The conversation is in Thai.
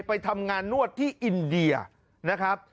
ไปทำงานนวดที่อินเดียนะครับ